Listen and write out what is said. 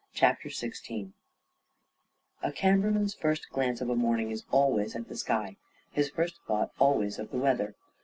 CHAPTER XVI A cameraman's first glance of a morning is al ways at the sky, his first thought always of the weather.